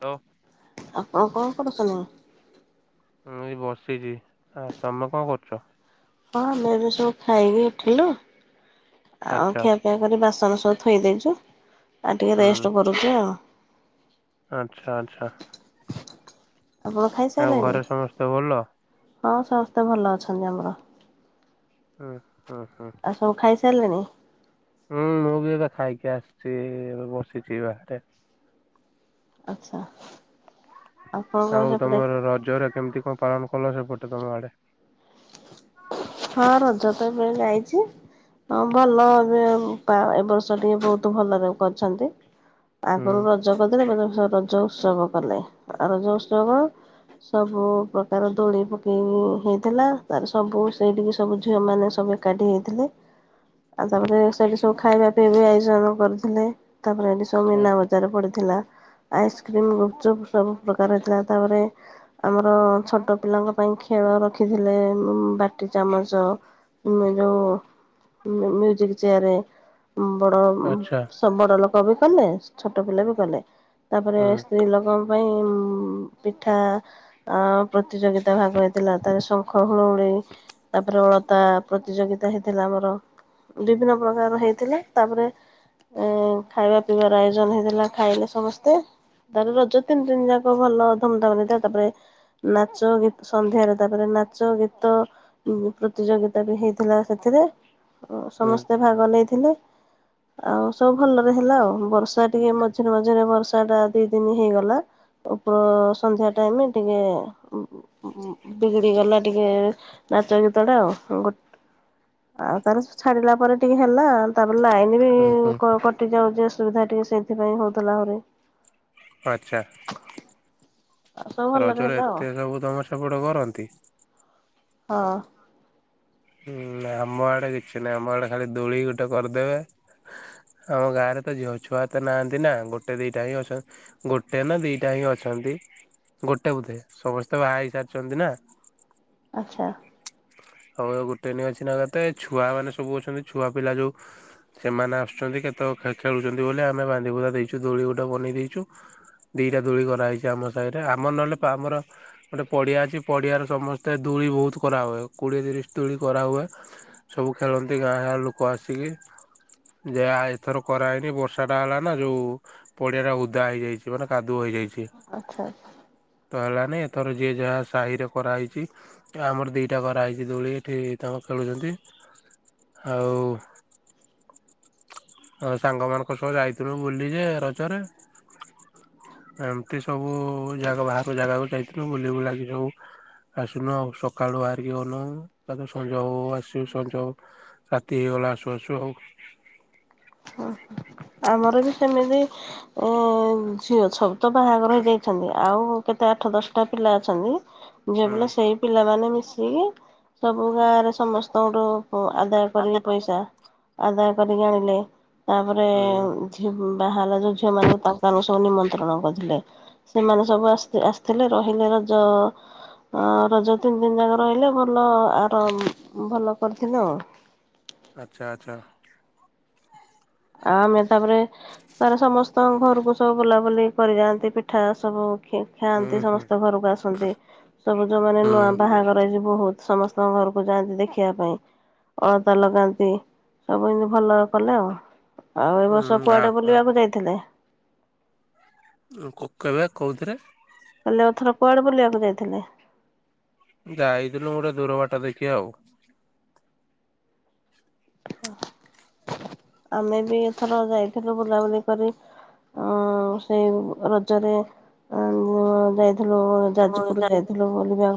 Hello ଆପଣ କଣ କରୁଛନ୍ତି? ମୁଁ ଏଇ ବସିଛି। ଆ ତମେ କଣ କରୁଛ? ହଁ ଆମେ ଏବେ ସବୁ ଖାଇକି ଉଠିଲୁ। ଆଉ ଆଚ୍ଛା ଖିଆପିଆ କରି ବା ସନ ସବୁ ଥୋଇ ଦେଇଛୁ। ଆଉ ଟିକେ ହୁଁ ରେଷ୍ଟେ କରୁଛୁ ଆଉ। ଆଚ୍ଛା ଆଚ୍ଛା। ଆପଣ ଆଉ ଖାଇସାରିଲେଣି? ଘରେ ସମସ୍ତେ ଭଲ? ହଁ ସମସ୍ତେ ଭଲ ଅଛନ୍ତି ଆମର। ହଁ। ଉଁ ହୁଁ। ସାରିଲେଣି? ହୁଁ ମୁଁ ବି ଏବେ ଖାଇକି ଆସିଛି ଏବେ ବସିଛି ବାହାରେ। ଆଛା। ଆଉ ତମର ରଜରେ କେମତି କଣ ପାଳନ କଲ ସେପଟେ? ତମ ଆଡେ? ହଁ ରଜ ତ ଏବେ ଯାଇଛି। ହ ଭଲ ଏବ ଏ ବର୍ଷ ଟିକେ ବହୁତ ଭଲରେ କରିଛନ୍ତି। ଆଗରୁ ହୁଁ ରଜ କରିଦେଲେ ଏବେ ରଜ ଉତ୍ସବ କଲେ ରଜ ଉତ୍ସବ ସବୁ ପ୍ରକାର ଦୋଳି ପକେଇ ହେଇଥିଲା ତାର। ସବୁ ସେଇଠିକି ସବୁ ଝିଅମାନେ ସବୁ ଏକାଠି ହେଇଥିଲେ। ଆ ତାପରେ ସେ ସଉ ଖାଇବା ପାଇଁ ବି ଆୟୋଜନ କରୁଥିଲେ। ତାପରେ ଖାଲି ସବୁ ମିନାବଜାର ପ ଥିଲା ଆଇସ୍କ୍ରିମ୍, ଗୁପଚୁପ୍ ସବୁ ପ୍ରକାର ହେଇଥିଲା ତାପରେ ଆମର ଛୋଟ ପିଲାଙ୍କ ପାଇଁ ଖେଳ ରଖିଥିଲେ। ଉମ ବାଟି ଚାମଚ। [unintelligible] ମ୍ୟୁସିିକ ଚୟାରେ। ବଡ ଆଚ୍ଛା ସ ବଡ ଲୋକ କ ବି କଲେ ଛୋଟ ପିଲା ବି କଲେ। ତାପରେ ହୁଁ ସ୍ତ୍ରୀ ଲୋକ ପାଇଁ ପିଠା ପ୍ରତିଯୋଗିତା ଭାଗ ହେ ଥିଲା ତାର ଶଙ୍ଖ ହୁଳୁହୁଳି ତାପରେ ଅଳତା ପ୍ରତିଯୋଗିତା ହେଇଥିଲା ଆମର ବିଭିନ୍ନ ପ୍ରକାର ହେଇଥିଲା ତାପରେ ଏ ଖାଇବା ପିଇବାର ଆୟୋଜନ ହେଇଥିଲା ଖାଇଲେ ସମସ୍ତେ ତାାର ରଜ ତିନି ତିନି ଯାକ ଭଲ ଧୁମଧାମ ହେଇଥିଲା ତାପରେ ନାଚ ଗୀତ ସନ୍ଧ୍ୟାରେ ତାପରେ ନାଚ ଚ ଗୀତ ପ୍ରତିଯୋଗିତା ବି ହେଇଥିଲା ସେଥିରେ। ଓ ହୁଁ ସମସ୍ତେ ଭାଗ ନେଇଥିଲେ। ଆଉ ସବୁ ଭଲରେ ହେଲା ଆଉ ବର୍ଷା ଟିକେ ମଝିରେ ମଝିରେ ବର୍ଷା ଟା ଦି ଦିନ ହେଇଗଲା ଉପର ସନ୍ଧ୍ୟା ଟାଇମ ଟିକେ ବିଗିଡି ଗଲା ଟିକେ ନାଚ ଗୀତ ଟା ଆଉ ଗଟେ ଆଉ ତାର ଛାଡିଲା ପରେ ଟିକେ ହେଲା ତା ଲାଇନ୍ ବି ହୁଁ ହୁଁ କଟି ଯାଉଛି। ସୁବିଧା ଟିକେ ସେଇଥିପାଇଁ ହଉଥିଲା ଆହୁରି। ଆଚ୍ଛା। ଆଉ ସବୁ ଭଲରେ ରଜରେ ହେଲା ଆଉ ଏତେ ସବୁ ତମ ସେପଟ କରନ୍ତି। ହଁ। ହୁଁ ଆମ ଆଡେ କିଛି ନାହିଁ ଆମ ଆଡେ ଖାଲି ଦୋଳି ଗୋଟେ କରିଦେବେ ଆମ ଗାଁରେ ତ ଝିଅ ଛୁଆ ତ ନାହାନ୍ତି ନା ଗୋଟେ ଦିଟା ହିଁ ଅଛନ୍ତି ଗୋଟେ ନା ଦିଟା ହିଁ ଅଛନ୍ତି ଗୋଟେ ବୋଧେ ସମସ୍ତେ ବାହା ହେଇ ସାରିଛନ୍ତି ନା। ଆଚ୍ଛା। ହଉ ଆଉ ଗୋଟେ ନେଇ ଅଛି ନା କେତେ ଛୁଆ ମାନେ ସବୁ ଅଛନ୍ତି ଛୁଆ ପିଲା ଯୋଉ ସେମାନେ ଆସୁଛନ୍ତି କେତେ ଖେଳୁଛନ୍ତି ବୋଲି ଆମେ ବାନ୍ଧି ବୁଦ୍ଧା ଦେଇଛୁ ଦୋଳି ଗୋଟେ ବନେଇ ଦେଇଛୁ ଦିଟା ଦୋଳି କରାହେଇଛି ଆମ ସାହିରେ ଆମର ନହେଲେ ଆମର ଗୋଟେ ପଡିଆ ଅଛି ପଡିଆର ସମସ୍ତେ ଦୋଳି ବହୁତ କରା ହୁଏ ଆଉ। କୋଡ଼ିଏ ତିରିଶ ଦୋଳି କରାହୁଏ ସବୁ ଖେଳନ୍ତି ଗାଁ ଗାଁ ଲୋକ ଆସିକି ଯେ ଆ ଏଥର କରାହେଇନି ବର୍ଷାଟା ହେଲା ନା ଯେଉଁ ପଡ଼ିଆଟା ଉଦା ହେଇଯାଇଛି ମାନେ କାଦୁଅ ହେଇଯାଇଛି। ଆଚ୍ଛା ଆଚ୍ଛା। ହେଲାଣି ଏଥର ଯିଏ ଯାହା ସାହି ରେ କରାହେଇଛି ଆମର ଦି କରା ହେଇଛି ଦୋଳି ଏଠି ତାଙ୍କ ଖେଳୁଛନ୍ତି ଆଉ ଆ ସାଙ୍ଗ ମାନଙ୍କ ସହ ଯାଇଥିଲୁ ବୁଲି ଯେ ରଜରେ ଏମିତି ସବୁ ଜାଗା ବାହାର ଜାଗାକୁ ଯାଇଥିଲୁ ବୁଲି ବୁଲାକି ସବୁ ଆସିଲୁ ଆଉ ସକାଳୁ ବାହାରିକି ଗନୁ ସଞ୍ଜ ଆସିବୁ ସଞ୍ଜ ରାତି ହେଇଗଲା ଆସୁ ଆସୁ ଆଉ ଆମର ବି ସେମିତି ଉଁ ଝିଅ ଛ। ତ ବାହାଘର ହେଇଯାଇଛନ୍ତି ଆଉ। କେତେ ଆଠ ଦଶ ଟା ପିଲା ଅଛନ୍ତି। ଯେ ହୁଁ [unintelligible] ସେଇ ପିଲାମାନେ [unintelligible] [unintelligible] ସବୁ ଗାଁରେ ସମସ୍ତଙ୍କ ଠୁ ମୁ ଆଦାୟ କରିକି ପଇସା ଆଦାୟ କରି ଆଣିଲେ। ତା ପରେ ହୁଁ [unintelligible] ବାହା ହେଲା ଯେଉ ଝିଅ ମାନଙ୍କୁ ତାଙ୍କୁ ଆମେ ସବୁ ନିମନ୍ତ୍ରଣ କରିଥିଲେ ସେମାନେ ସବୁ ଆସି ଆସିଥିଲେ ରହିଲେ ରଜ ରଜ ତିନି ଯାକ ରହିଲେ ଭଲ ଆର ଭଲ କରିଥିଲୁ ଆ ଆଚ୍ଛା ଆଚ୍ଛା। ଆଉ ଆମେ ତାପରେ ତାର ସମସ୍ତଙ୍କ ଘରକୁ ସବୁ ବୁଲାବୁଲି କରିଯାଆନ୍ତି ପିଠା ସବୁ ହୁଁ ଖାଆନ୍ତି ହୁଁ ସମସ୍ତ ଘରକୁ ଆସନ୍ତି ସବୁ ଯୋଉମାନେ ନୂଆ ହୁଁ। ବାହାଘର ହେଇ [unintelligible] ବହୁତ ସମସ୍ତଙ୍କ ଘରକୁ ଯାଆନ୍ତି ଦେଖିବା ପାଇଁ ଅଳତା ଲଗାନ୍ତି ସବୁ ଏମିତି ଭଲ କଲେ ଆଉ ଆଉ ଏ ବର୍ଷ ହୁଁ ଆ କୁଆଡେ ବୁଲିବାକୁ ଯାଇଥିଲେ। କୋକାବେ କୋଉଥିରେ। ହେଲେ ଏଥର କୁଆଡେ ବୁଲିବାକୁ ଯାଇଥିଲେ। ଯାଇଥିଲୁ ଗୋଟେ ଦୂର ବାଟ ଦେଖି ଆଉ ଆମେ ବି ଏଥର ଯାଇଥିଲୁ ବୁଲାବୁଲି କରି ଅଁ ସେଇ ରଜରେ ଯାଇ ହେଲୋ ଯାଜପୁର ଯାଇଥିଲୁ ବୁଲିବା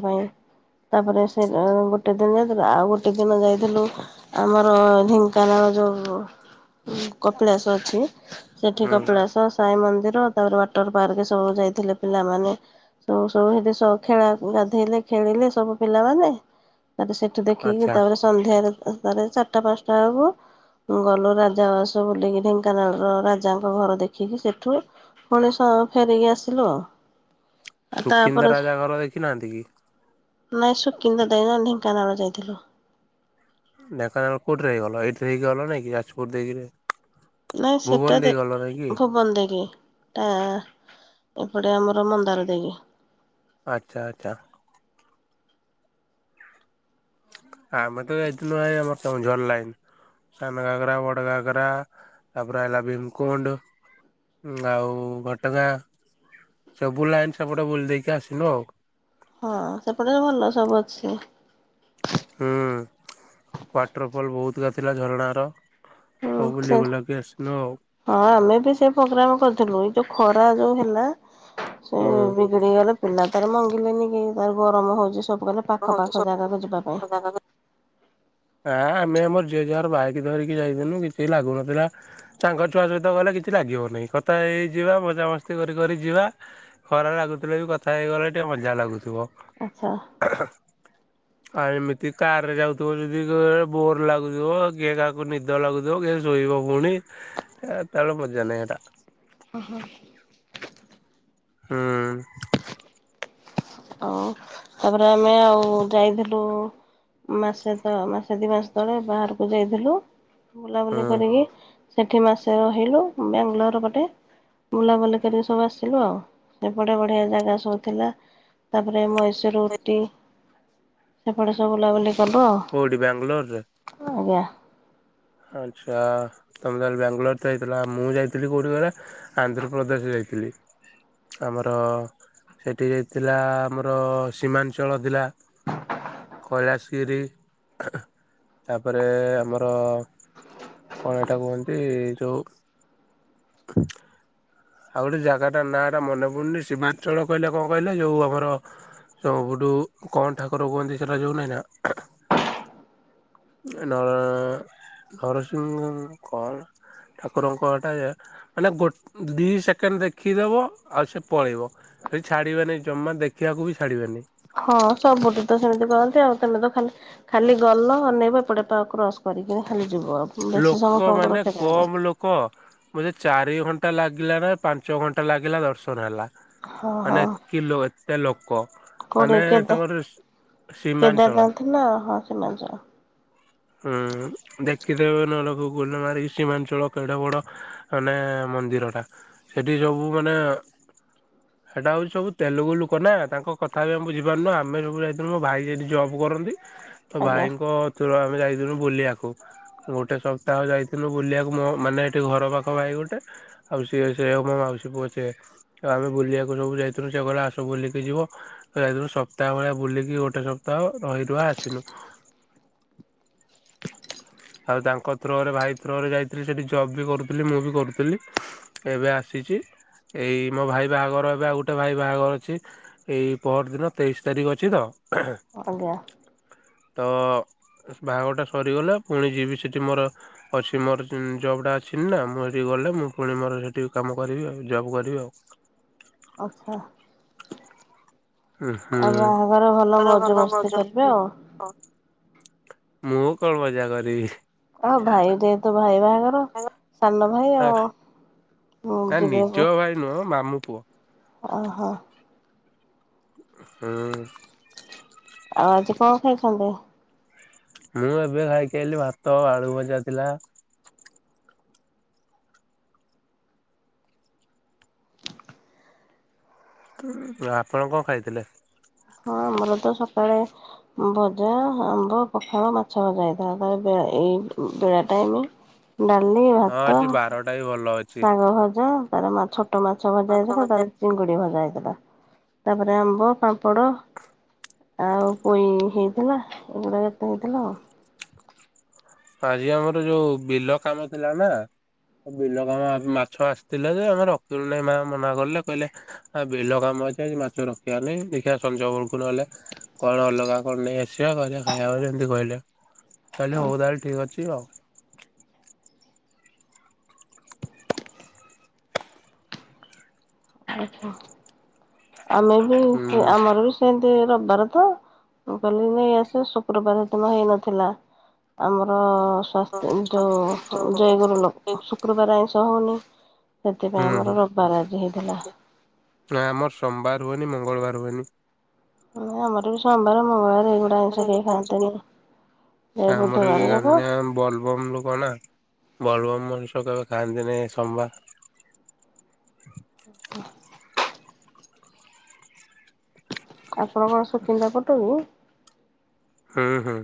ତାପରେ ସେ ଗୋଟେ ଦିନ ଯାଇଥିଲ ଆଉ ଗୋଟେ ଦିନ ଯାଇଥିଲୁ ଆମର ଆମର ଢେଙ୍କାନାଳ ଯେଉ କପିଳାସ ଅଛି। ସେଠି ହୁଁ କପିଳାସ ସାଇ ମନ୍ଦି ମନ୍ଦିର ତାପରେ ୱାଟର ପାର୍କ ସବୁ ଯାଇଥିଲେ ପିଲାମାନେ ସବୁ ସେ ଖେଳା ଗାଧେଇଲେ ଖେଳିଲେ ସବୁ ପିଲାମାନେ ତାପରେ ସେଠୁ ଦେଖିକି ଆଚ୍ଛା। ତାପରେ ସନ୍ଧ୍ୟାରେ ତା ଚା ଟା ପାଞ୍ଚଟା ବେଳକୁ ଗଲୁ ରାଜାଉଆସ ବୁଲିକି ଢେଙ୍କାନାଳର ରାଜାଙ୍କ ଘର ଦେଖିକି ସେଠୁ ପୁଣି ସ ଫେରିକି ଆସିଲୁ ଆଉ ଆଉ ସୁକିନ୍ଦା ତାପରେ ରାଜା ଘର ଦେଖି ନାହାନ୍ତି କି? ନାଇଁ ସୁକିନ୍ଦା [unintelligible] ଢେଙ୍କାନାଳ ଯାଇଥିଲୁ। ଢେଙ୍କାନାଳ ରେ କୋଉଠି ରହିଗଲ ଏଠି ଦେଇ ଗଲନି ଯାଜପୁର ଦେଇକିରି ନାଇଁ ଭୁବନ ସେଟା ଦେ ଦେଇ ଗଲ ନାଇଁ କି? ଭୁବନ ଦେକି ଟା ଗୋଟେ ଆମର ମନ୍ଦାର ଦେଇକି ଆଚ୍ଛା ଆଚ୍ଛା। ଆମେ ତ ଯାଇଥିନୁଁ ଆମର କେଉଁଝର ଲାଇନ ସାନ ଘାଗରା ବଡ, ଘାଗରା ତାପରେ ହେଲା ଭୀମକୁଣ୍ଡ ଆଉ ଘଟଗାଁ ସବୁ ଲାଇନ ସେପଟେ ବୁଲି ଦେଇକି ଆସିନୁ ଆଉ। ହଁ ସେପଟେ ବି ଭଲ ସବୁ ଅଛି। ହୁଁ ୱାଟରଫଲ ବହୁତକା ଥିଲା ଝରଣା ର। ହୁଁ ସେ ହଁ ଆମେ ବି ସେ ପ୍ରୋଗ୍ରାମ କରିଥିଲୁ। ଯୋଉ ଖରା ଯୋଉ ହେଲା ସେ ହୁଁ। ବିଗିଡି ଗଲେ ପିଲା। ରେ ମଙ୍ଗିଲେନି କେଇ ତାର ଗରମ ହଉଛି ସବୁ କହିଲେ ପାଖ ହଉ ପାାଖ ଜାଗାକୁ ଯିବା ପାଇଁ। ହଁ ଆମେ ଆମର ଝିଅ ଝୁଆର ବାଇକ ଧରିକି ଯାଇଥିନୁ। କିଛି ଲାଗୁନଥିଲା ସାଙ୍ଗ ଛୁଆ ସହିତ ଗଲେ କିଛି ଲାଗିବନାହିଁ। କଥା ହେଇଯିବା ମଜାମସ୍ତି କରି କରି ଯିବା ଖରା ଲାଗୁଥିଲେ ବି କଥା ହେଇଗଲେ ଟିକେ ମଜା ଲାଗୁଥିବ। ଆଚ୍ଛା। ଆଉ ଏମିତି କାର ରେ ଯାଉଥିବ ଯ ବୋର ଲାଗୁଥିବ କିଏ କାହାକୁ ନିଦ ଲାଗୁଥିବ କିଏ ଶୋଇବ ପୁଣି ତାେଳେ ମଜା ନାଇଁ ଏଇଟା। ଓ ହୋ। ହୁଁ। ଆଉ ତାପରେ ଆମେ ଆଉ ଯାଇଥିଲୁ ମାସେ ତ ମାସେ ଦି ମାସ ତଳେ ବାହାରକୁ ଯାଇଥିଲୁ। ବୁଲାବୁଲି ହୁଁ। କରିକି ସେଠି ମାସେ ରହିଲୁ ବାଙ୍ଗାଲୋର ଗୋଟେ ବୁଲାବୁଲି କରିକି ସବୁ ଆସିଲୁ। ଆଉ ସେପଟେ ବଢ଼ିଆ ଜାଗା ସବୁ ଥିଲା। ତାପରେ ମୁଁ ଛି ରୋଟି ସେପଟେ ସବୁ ବୁଲା ବୁଲି ଚାବ କୋଉଠି ବାଙ୍ଗାଲୋରରେ ଆଉ ଆଜ୍ଞା। ଆଚ୍ଛା ତମେ ତାହେଲେ ବାଙ୍ଗାଲୋର ତ ଯାଇଥିଲା ମୁଁ ଯାଇଥିଲି କେଉଁଠି କହିଲ ଆନ୍ଧ୍ରପ୍ରଦେଶ ଯାଇଥିଲି। ଆମର ସେଠି ଯାଇଥିଲା ଆମର ସୀମାଞ୍ଚଳ ଥିଲା କୈଳାସଗିରି ତାପରେ ଆମର କଣ ଏଟା କୁହନ୍ତି ଯୋଉ? [inaudible] ଆଉ ଗୋଟେ ଜାଗାଟା ନାଁ ଟା ମନେ ପଡୁନି ସୀମାଞ୍ଚଳ କହିଲେ କଣ କହିଲେ ଯୋଉ ଆମରୁଠୁ କଣ ଠାକୁର କୁହନ୍ତି ସେଟା ଯୋଉ ନାହିଁ ନା ନର ନରସିଂହ କଣ ଠାକୁରଙ୍କଟା ମାନେ ଗୋ ଦି ସେକେଣ୍ଡ ଦେଖିଦବ ଆଉ ସେ ପଳେଇବ ସେ ଛାଡିବେନି ଜମା ଦେଖିବାକୁ ବି ଛାଡିବେନି। ହଁ ସବୁଠି ତ ସେମିତି କହନ୍ତି ଆଉ ତମେ ତ ଖାଲି ଖାଲି ଗଲ ଅନେଇବା ଏପଟେ ପା କ୍ରସ କରିକି ଖାଲି ଯିବ ବେଶୀ ସମୟ ଲୋକ ତମକୁ ମାନେ ରଖିପାରିବେନି। କମ ଲୋକ ବୋଧେ ଚାରି ଘଣ୍ଟା ଲାଗିଲା ନା ପାଞ୍ଚ ଘଣ୍ଟା ଲାଗିଲା ଦର୍ଶନ ହେଲା। ହଁ ହଁ ମାନେ ଏକ ଲ ଏତେ ଲୋକ କୋଉଠି ମାନେ କେତେ ତାଙ୍କର ସୀମାଞ୍ଚଳ କେଦାରନାଥ ନା ହଁ ସେମାନ ହୁଁ ଦେଖ ଶଖିଦେବେ ନେ ଲୋକ ଗୁଲମାରିକି ସୀମାଞ୍ଚଳ କେଡ଼ ବଡ଼ ମାନେ ମନ୍ଦିରଟା ସେଇଠି ସବୁ ମାନେ ସେଇଟା ହେଉଛି ସବୁ ତେଲୁଗୁ ଲୋକ ନା ତାଙ୍କ କଥା ବି ଆମେ ବୁଝିପାରୁନୁଁ ଆମେ ସବୁ ଯାଇଥିଲୁ ମୋ ଭାଇ ସେଇଠି ଜବ୍ କରନ୍ତି ତ ଆଜ୍ଞା ଭାଇଙ୍କ ଚ ଆମେ ଯାଇଥିଲୁ ବୁଲିଆକୁ। ଗୋଟେ ସପ୍ତାହ ଯାଇଥିଲୁ ବୁଲିବାକୁ ମୋ ମାନେ ଏଠି ଘର ପାଖ ଭାଇ ଗୋଟେ ଆଉ ସିଏ ସେ ହଉ ମୋ ମାଉସୀ ପୁଅଛ ଆଉ ଆମେ ବୁଲିବାକୁ ସବୁ ଯାଇଥିଲୁ। ସେ କଇଲା ଆସ ବୁଲିକି ଯିବ ଯାଇଥିଲୁ ସପ୍ତାହ ଭଳିଆ ବୁଲିକି ଗୋଟେ ସପ୍ତାହ ରହି ରୁହା ଆସିନୁ। ଆଉ ତାଙ୍କ ଥ୍ରୋରେ ଭାଇ ଥ୍ରୋରେ ଯାଇଥିଲି ସେଇଠି ଜବ୍ ବି କରୁଥିଲି ମୁଁ ବି କରୁଥିଲି ଏବେ ଆସିଛି ଏଇ ମୋ ଭାଇ ବାହାଘର ଏବେ ଆଉ ଗୋଟେ ଭାଇ ବାହାଘର ଅଛି ଏଇ ପହର ଦିନ ତେଇଶି ତାରିଖ ଅଛି ତ। ଆଜ୍ଞା। ତ ବାହାଘରଟେ ସରିଗଲେ ପୁଣି ଯିବି ସେଠି ମୋର ଅଛି ମୋର ଜବ୍ ଟା ଅଛି ନା। ମୁଁ ସେଠି ଗଲେ ମୁଁ ପୁଣି ମୋର ସେଠି କାମ କରିବି। ଆଉ ଜବ୍ କରିବି ଆଉ। ଆଚ୍ଛା। ହୁଁ ହୁଁ। ଆଉ ବାହାଘର ଭଲ ମଉଜ ମସ୍ତି କରିବେ ଆଉ। ହବ। ମୁଁ କଣ ମଜା କରିବି? ଆଉ ଭାଇ ଯେହେତୁ ଭାଇ ବାହାଘର ସାନ ଭାଇ ଆଉ ଯିବିକୁ ପୂଅ। ଓଃ ହୋ। ହୁଁ। ଆଉ ଆଜି କଣ ଖାଇଛନ୍ତି? ମୁଁ ଏବେ ଖାଇକି ଆଇଲିି ଭାତ ଆଳୁ ଭଜା ଥିଲା। ଆପଣ କଣ ଖାଇଥିଲେ? ହଁ ଆମର ତ ସକାଳେ ଭଜା ଆମ୍ବ ପଖାଳ ମାଛ ଭଜା ହେଇଥାଏ ତା ଏଇ ବେଳା ଟାଇମ ଡାଲି ହଁ ଭାତ ଆଜି ବାରଟା ବି ଭଲ ଅଛି। ଶାଗଭଜା। ରବ୍ ବାରେ ମାଛ। ଛୋଟମାଛ ଭଜା ହେଇଥିବ ତାର ଚିଙ୍ଗୁଡ଼ି ଭଜା। ତାପରେ ଆମ୍ବ ପାମ୍ପଡ଼ ଆଉ ପୋଇ ହେଇଥିଲା ଏଗୁଡା କେତେ ହେଇଥିଲା ଆଉ। ଆଜି ଆମର ଯୋଉ ବିଲ କାମ ଥିଲା ନା ବିଲ କାମ ମାଛ ଆସିଥିଲା ଯେ ଆମେ ରଖିଲୁ ନାହିଁ। ମା ମନା କଲେ କହିଲେ ଆ ବିଲ କାମ ଅଛି ଆଜି ମାଛ ରଖିବା ନାଇଁ ଦେଖିବା ସଞ୍ଜ ବେଳକୁ। ନହେଲେ କଣ ଅଲଗା କଣ ନେଇ ଆସିବା କରିବା ଖାଇବା ଯେମିତି କହିଲେ କହିଲେ ହଉ ତାହଲେ। ଠିକ୍ ଅଛି ଆଉ। ଆଚ୍ଛା ଆମେ ବି ସେ ହୁଁ। ଆମର ବି ସେମ୍ ରବିବାର ତ ମୁଁ କହିଲି ନେଇ ଆସ ଶୁକ୍ରବାର ଦିନ ହେଇନଥିଲା ଆମର। ସାସ୍ଥ୍ୟ ଯ ଜୟଗୁରୁ ଲୋକ ଶୁକ୍ରବାର ଆଇଁଶ ତହୁନି। ସେଥିପାଇଁ ହୁଁ ହୁଁ। ଆମର ରବିବାର ଆଜି ହେଇଥିଲା। ନା ଆମର ସୋମବାର ହୁଏନି ମଙ୍ଗଳବାର ହୁଏ ନି। ନା ଆମର ବି ସୋମବାର ମଙ୍ଗଳବାର ଏଇଗୁଡ଼ା ଆଇଁଷ କେହି ଖାଆନ୍ତିନି। [unintelligible] ଏଇ ଆମର ବି ବୁଧବାର କିଏ ଯାକ ଖାଆନ୍ତିନି ବଲଭମ୍ ଲୋକ ନା ବଲଭମ୍। [unintelligible] ଖାଆନ୍ତିନି ସୋମବାର। ଆପଣଙ୍କର ସୁକିନ୍ଦା ପଟୁକି? ହୁଁ ହୁଁ।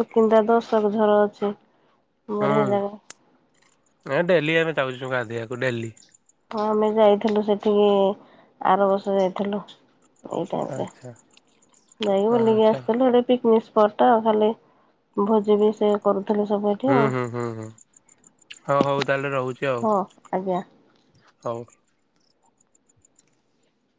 ସୁକିନ୍ଦା ଦର୍ଶନଝର ଅଛି। ବଢ଼ିଆ ହୁଁ ଜାଗା। ଏ ଡେଲି ଆମେ ଯାଉଛୁ ଗାଧୋଇବାକୁ ଡେଲି। ହଁ। ଆମେ ଯାଇଥିଲୁ ସେଠିକି ଆରବର୍ଷ ଯାଇଥିଲୁ। ଏଇ ଟାଇମ୍ ରେ। ଆଚ୍ଛା ଜାଇକି ବୁଲିକି ଆଚ୍ଛା ଆସିଥିଲୁ, ସେଇଠି ପିକ୍ [unintelligible] ଟା ଖାଲି ଭୋଜି ବି ସେ କରୁ। ହୁଁ ହୁଁ ହୁଁ ହୁଁ ହଉ ହଉ ତାହେଲେ ରହୁଛି। ଆଉ ହଁ ଆଜ୍ଞା। ହଉ।